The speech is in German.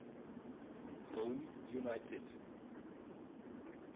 Home United